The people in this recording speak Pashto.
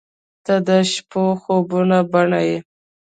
• ته د شپو خوبونو بڼه یې.